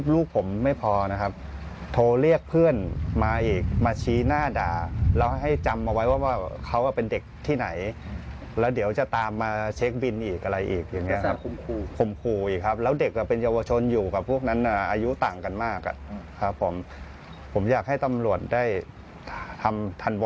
รับบาดเจ็บการทำร้ายร่างกายนะครับ